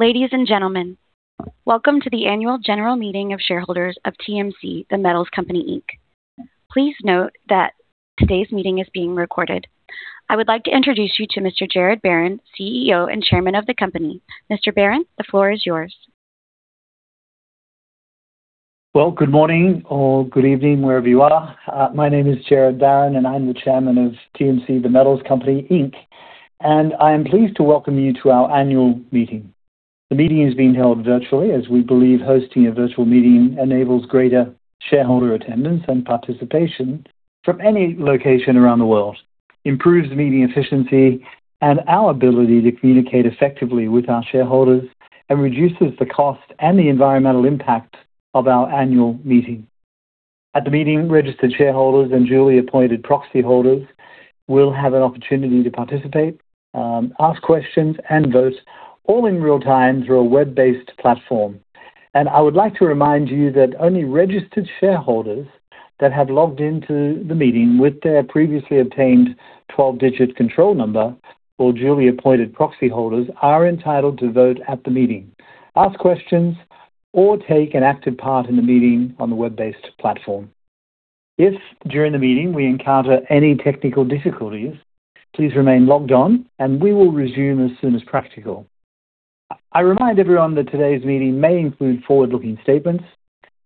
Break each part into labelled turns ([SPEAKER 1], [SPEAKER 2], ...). [SPEAKER 1] Ladies and gentlemen, welcome to the annual general meeting of shareholders of TMC the metals company Inc. Please note that today's meeting is being recorded. I would like to introduce you to Mr. Gerard Barron, CEO and Chairman of the company. Mr. Barron, the floor is yours.
[SPEAKER 2] Well, good morning or good evening, wherever you are. My name is Gerard Barron, and I am the chairman of TMC the metals company, Inc. I am pleased to welcome you to our annual meeting. The meeting is being held virtually as we believe hosting a virtual meeting enables greater shareholder attendance and participation from any location around the world, improves meeting efficiency and our ability to communicate effectively with our shareholders, and reduces the cost and the environmental impact of our annual meeting. At the meeting, registered shareholders and duly appointed proxy holders will have an opportunity to participate, ask questions, and vote all in real time through a web-based platform. I would like to remind you that only registered shareholders that have logged in to the meeting with their previously obtained 12-digit control number or duly appointed proxy holders are entitled to vote at the meeting, ask questions, or take an active part in the meeting on the web-based platform. If during the meeting we encounter any technical difficulties, please remain logged on and we will resume as soon as practical. I remind everyone that today's meeting may include forward-looking statements.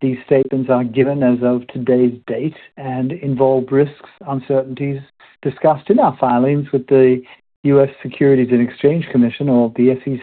[SPEAKER 2] These statements are given as of today's date and involve risks, uncertainties discussed in our filings with the U.S. Securities and Exchange Commission or the SEC,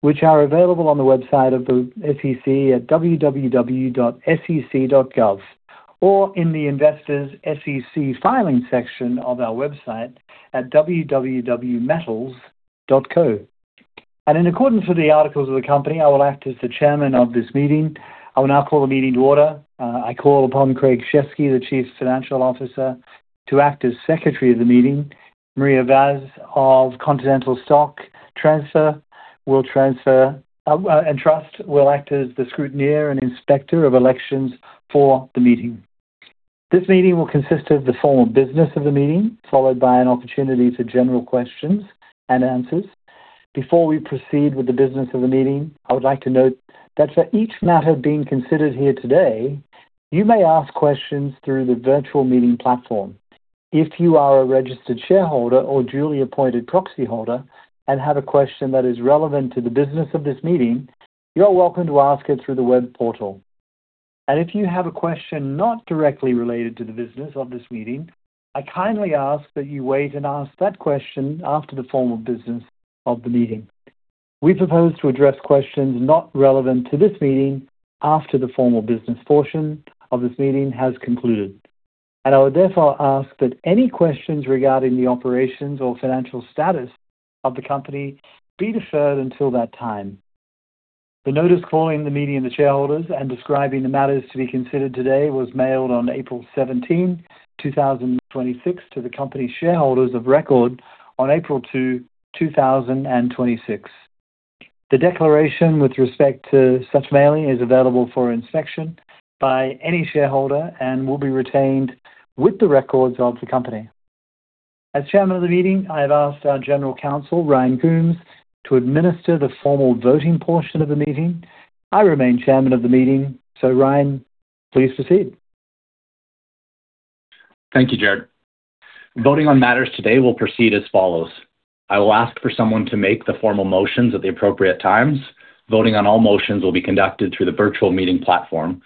[SPEAKER 2] which are available on the website of the SEC at www.sec.gov or in the Investors SEC Filings section of our website at www.metals.co. In accordance with the articles of the company, I will act as the chairman of this meeting. I will now call the meeting to order. I call upon Craig Shesky, the Chief Financial Officer, to act as secretary of the meeting. Maria Vaz of Continental Stock Transfer & Trust will act as the scrutineer and inspector of elections for the meeting. This meeting will consist of the formal business of the meeting, followed by an opportunity for general questions and answers. Before we proceed with the business of the meeting, I would like to note that for each matter being considered here today, you may ask questions through the virtual meeting platform. If you are a registered shareholder or duly appointed proxy holder and have a question that is relevant to the business of this meeting, you are welcome to ask it through the web portal. If you have a question not directly related to the business of this meeting, I kindly ask that you wait and ask that question after the formal business of the meeting. We propose to address questions not relevant to this meeting after the formal business portion of this meeting has concluded. I would therefore ask that any questions regarding the operations or financial status of the company be deferred until that time. The notice calling the meeting of the shareholders and describing the matters to be considered today was mailed on April 17, 2026, to the company shareholders of record on April 2, 2026. The declaration with respect to such mailing is available for inspection by any shareholder and will be retained with the records of the company. As chairman of the meeting, I have asked our general counsel, Ryan Coombes, to administer the formal voting portion of the meeting. I remain chairman of the meeting. Ryan, please proceed.
[SPEAKER 3] Thank you, Gerard. Voting on matters today will proceed as follows. I will ask for someone to make the formal motions at the appropriate times. Voting on all motions will be conducted through the virtual meeting platform.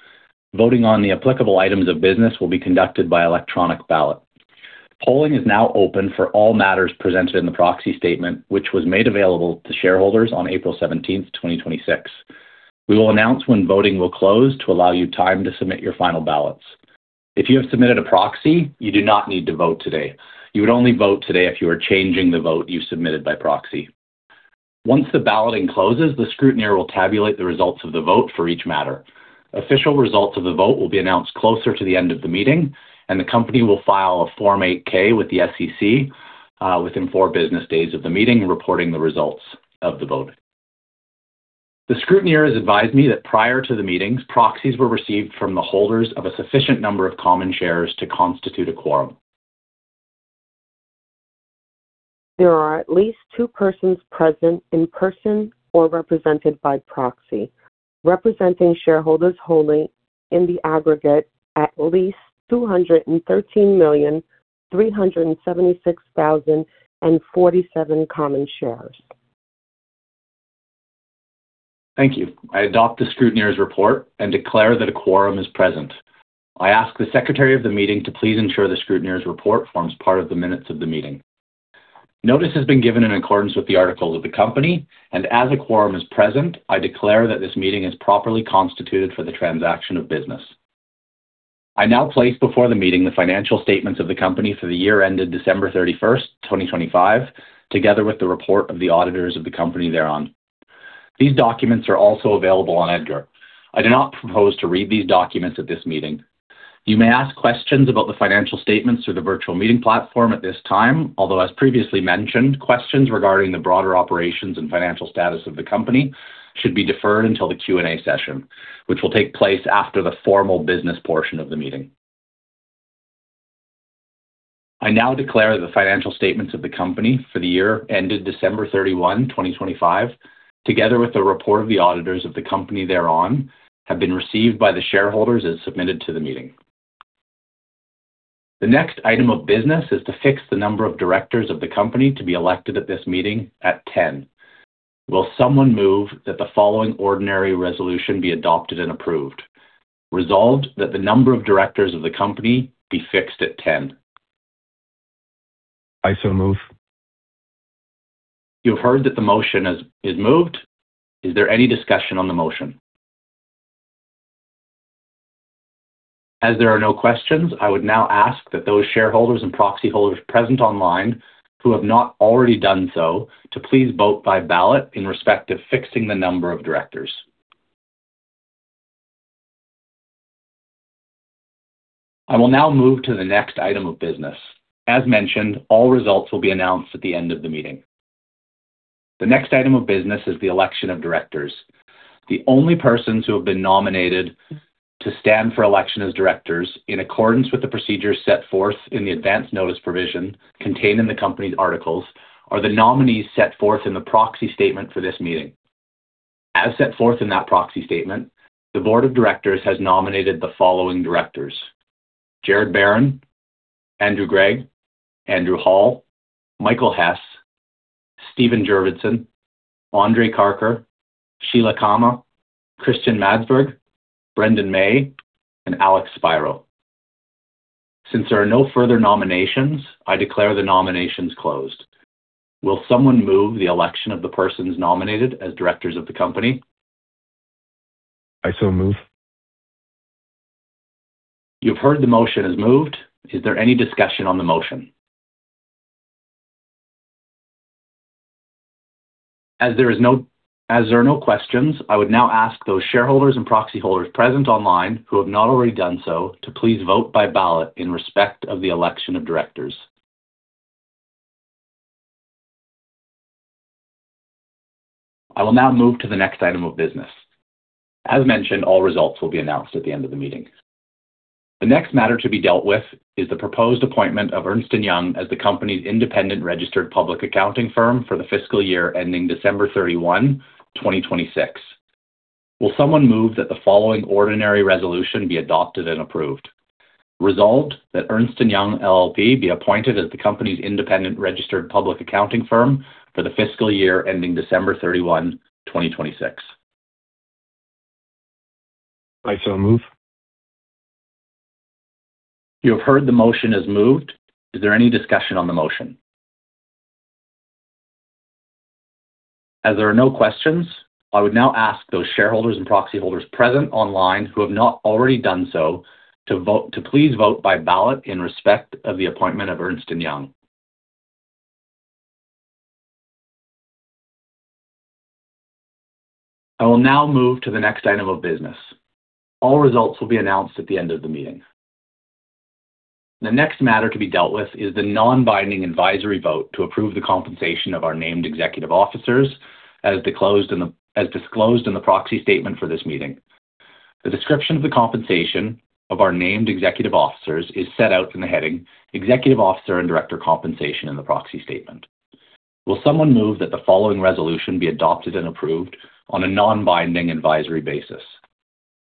[SPEAKER 3] Voting on the applicable items of business will be conducted by electronic ballot. Polling is now open for all matters presented in the proxy statement, which was made available to shareholders on April 17th, 2026. We will announce when voting will close to allow you time to submit your final ballots. If you have submitted a proxy, you do not need to vote today. You would only vote today if you are changing the vote you submitted by proxy. Once the balloting closes, the scrutineer will tabulate the results of the vote for each matter. Official results of the vote will be announced closer to the end of the meeting, and the company will file a Form 8-K with the SEC, within four business days of the meeting, reporting the results of the vote. The scrutineer has advised me that prior to the meetings, proxies were received from the holders of a sufficient number of common shares to constitute a quorum.
[SPEAKER 4] There are at least two persons present in person or represented by proxy, representing shareholders holding in the aggregate at least 213,376,047 common shares.
[SPEAKER 3] Thank you. I adopt the scrutineer's report and declare that a quorum is present. I ask the secretary of the meeting to please ensure the scrutineer's report forms part of the minutes of the meeting. Notice has been given in accordance with the articles of the company, and as a quorum is present, I declare that this meeting is properly constituted for the transaction of business. I now place before the meeting the financial statements of the company for the year ended December 31st, 2025, together with the report of the auditors of the company thereon. These documents are also available on EDGAR. I do not propose to read these documents at this meeting. You may ask questions about the financial statements through the virtual meeting platform at this time. Although, as previously mentioned, questions regarding the broader operations and financial status of the company should be deferred until the Q&A session, which will take place after the formal business portion of the meeting. I now declare the financial statements of the company for the year ended December 31, 2025, together with a report of the auditors of the company thereon, have been received by the shareholders and submitted to the meeting. The next item of business is to fix the number of directors of the company to be elected at this meeting at 10. Will someone move that the following ordinary resolution be adopted and approved? Resolved that the number of directors of the company be fixed at 10.
[SPEAKER 5] I so move.
[SPEAKER 3] You have heard that the motion is moved. Is there any discussion on the motion? As there are no questions, I would now ask that those shareholders and proxy holders present online who have not already done so to please vote by ballot in respect to fixing the number of directors. I will now move to the next item of business. As mentioned, all results will be announced at the end of the meeting. The next item of business is the election of directors. The only persons who have been nominated to stand for election as directors in accordance with the procedures set forth in the advance notice provision contained in the company's articles are the nominees set forth in the proxy statement for this meeting. As set forth in that proxy statement, the board of directors has nominated the following directors: Gerard Barron, Andrew Greig, Andrew Hall, Michael Hess, Steve Jurvetson, Andrei Karkar, Sheila Khama, Christian Madsbjerg, Brendan May, and Alex Spiro. Since there are no further nominations, I declare the nominations closed. Will someone move the election of the persons nominated as directors of the company?
[SPEAKER 5] I so move.
[SPEAKER 3] You've heard the motion is moved. Is there any discussion on the motion? As there are no questions, I would now ask those shareholders and proxy holders present online who have not already done so to please vote by ballot in respect of the election of directors. I will now move to the next item of business. As mentioned, all results will be announced at the end of the meeting. The next matter to be dealt with is the proposed appointment of Ernst & Young as the company's independent registered public accounting firm for the fiscal year ending December 31, 2026. Will someone move that the following ordinary resolution be adopted and approved? Resolved that Ernst & Young LLP be appointed as the company's independent registered public accounting firm for the fiscal year ending December 31, 2026.
[SPEAKER 5] I so move.
[SPEAKER 3] You have heard the motion is moved. Is there any discussion on the motion? As there are no questions, I would now ask those shareholders and proxy holders present online who have not already done so to please vote by ballot in respect of the appointment of Ernst & Young. I will now move to the next item of business. All results will be announced at the end of the meeting. The next matter to be dealt with is the non-binding advisory vote to approve the compensation of our named executive officers as disclosed in the proxy statement for this meeting. The description of the compensation of our named executive officers is set out in the heading, "Executive Officer and Director Compensation" in the proxy statement. Will someone move that the following resolution be adopted and approved on a non-binding advisory basis?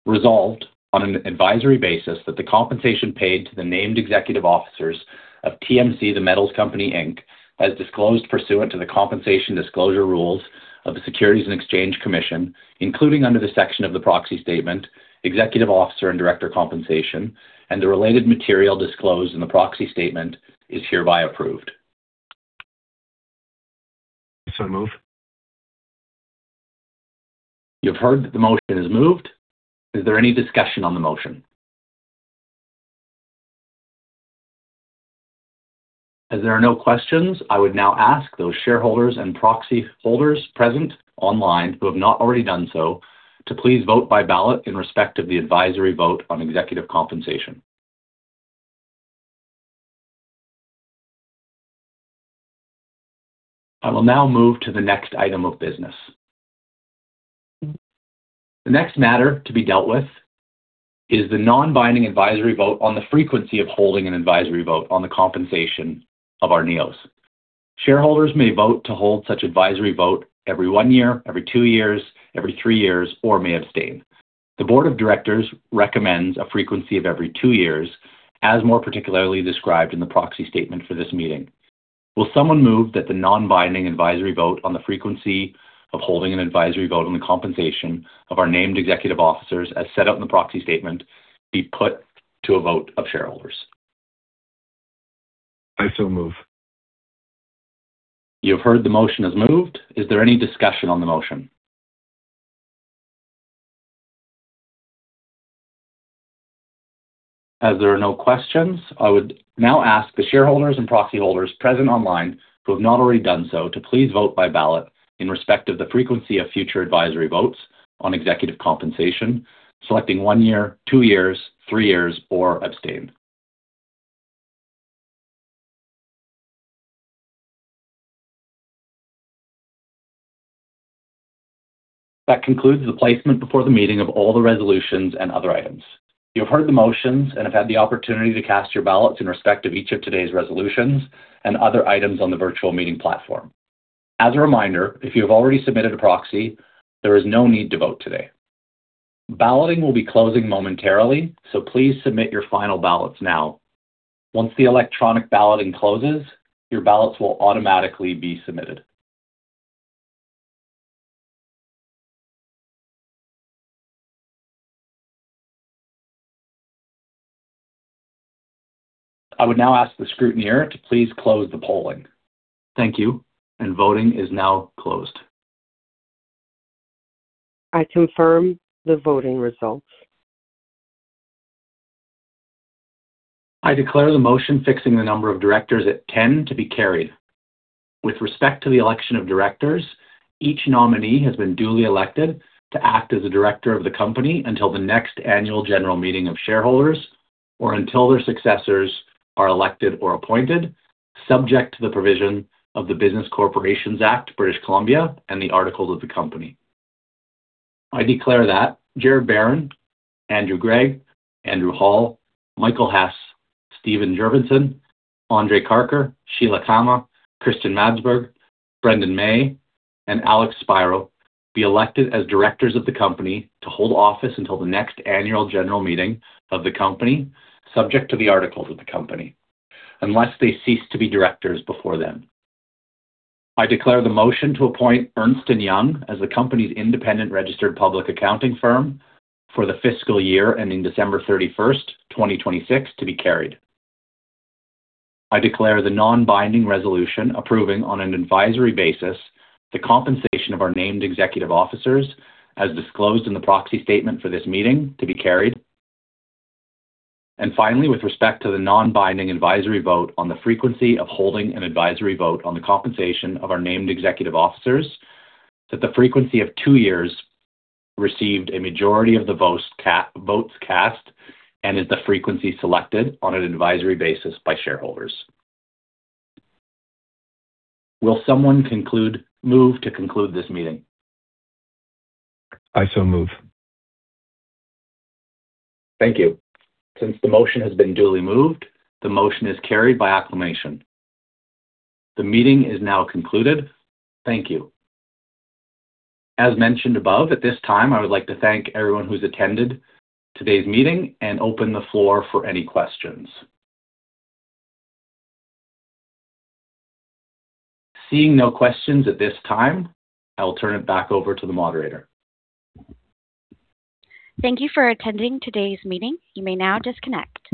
[SPEAKER 3] Resolved, on an advisory basis, that the compensation paid to the named executive officers of TMC the metals company Inc, as disclosed pursuant to the compensation disclosure rules of the Securities and Exchange Commission, including under the section of the proxy statement, "Executive Officer and Director Compensation," and the related material disclosed in the proxy statement, is hereby approved.
[SPEAKER 5] I so move.
[SPEAKER 3] You have heard that the motion is moved. Is there any discussion on the motion? As there are no questions, I would now ask those shareholders and proxy holders present online who have not already done so to please vote by ballot in respect of the advisory vote on executive compensation. I will now move to the next item of business. The next matter to be dealt with is the non-binding advisory vote on the frequency of holding an advisory vote on the compensation of our NEOs. Shareholders may vote to hold such advisory vote every one year, every two years, every three years, or may abstain. The board of directors recommends a frequency of every two years, as more particularly described in the proxy statement for this meeting. Will someone move that the non-binding advisory vote on the frequency of holding an advisory vote on the compensation of our Named Executive Officers as set out in the proxy statement be put to a vote of shareholders?
[SPEAKER 5] I so move.
[SPEAKER 3] You have heard the motion is moved. Is there any discussion on the motion? As there are no questions, I would now ask the shareholders and proxy holders present online who have not already done so to please vote by ballot in respect of the frequency of future advisory votes on executive compensation, selecting one year, two years, three years, or abstain. That concludes the placement before the meeting of all the resolutions and other items. You have heard the motions and have had the opportunity to cast your ballots in respect of each of today's resolutions and other items on the virtual meeting platform. As a reminder, if you have already submitted a proxy, there is no need to vote today. Balloting will be closing momentarily. Please submit your final ballots now. Once the electronic balloting closes, your ballots will automatically be submitted. I would now ask the scrutineer to please close the polling. Thank you. Voting is now closed.
[SPEAKER 4] I confirm the voting results.
[SPEAKER 3] I declare the motion fixing the number of directors at 10 to be carried. With respect to the election of directors, each nominee has been duly elected to act as a director of the company until the next annual general meeting of shareholders, or until their successors are elected or appointed, subject to the provision of the Business Corporations Act (British Columbia), and the articles of the company. I declare that Gerard Barron, Andrew Greig, Andrew Hall, Michael Hess, Steve Jurvetson, Andrei Karkar, Sheila Khama, Christian Madsbjerg, Brendan May, and Alex Spiro be elected as directors of the company to hold office until the next annual general meeting of the company, subject to the articles of the company, unless they cease to be directors before then. I declare the motion to appoint Ernst & Young as the company's independent registered public accounting firm for the fiscal year ending December 31st, 2026 to be carried. I declare the non-binding resolution approving, on an advisory basis, the compensation of our named executive officers as disclosed in the proxy statement for this meeting to be carried. Finally, with respect to the non-binding advisory vote on the frequency of holding an advisory vote on the compensation of our named executive officers, that the frequency of two years received a majority of the votes cast and is the frequency selected on an advisory basis by shareholders. Will someone move to conclude this meeting?
[SPEAKER 5] I so move.
[SPEAKER 3] Thank you. Since the motion has been duly moved, the motion is carried by acclamation. The meeting is now concluded. Thank you.
[SPEAKER 2] As mentioned above, at this time, I would like to thank everyone who's attended today's meeting and open the floor for any questions. Seeing no questions at this time, I will turn it back over to the moderator.
[SPEAKER 1] Thank you for attending today's meeting. You may now disconnect.